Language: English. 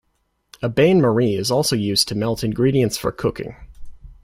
A bain-marie is also used to melt ingredients for cooking.